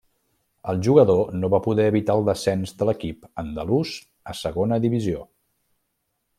El jugador no va poder evitar el descens de l'equip andalús a Segona Divisió.